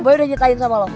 boy udah ceritain sama lo